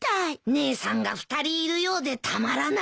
姉さんが２人いるようでたまらないね。